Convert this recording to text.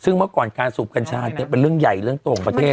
ซึ่งเมื่อก่อนการสูบกัญชาเนี่ยเป็นเรื่องใหญ่เรื่องโตของประเทศ